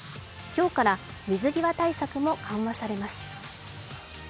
今日から水際対策も緩和されます。